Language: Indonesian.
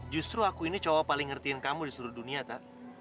justru aku ini cowok paling ngertiin kamu di seluruh dunia tak